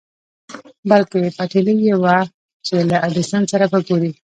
بلکې پتېيلې يې وه چې له ايډېسن سره به ګوري.